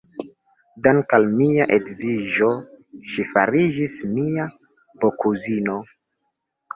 Dank' al mia edziĝo, ŝi fariĝis mia bokuzino.